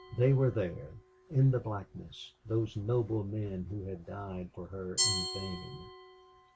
They were there in the blackness those noble men who had died for her in vain.